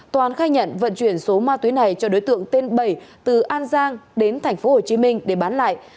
toàn khai nhận vận chuyển số ma túy này cho đối tượng tên bảy từ an giang đến tp hcm để bán lại